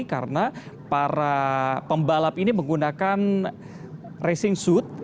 karena para pembalap ini menggunakan racing suit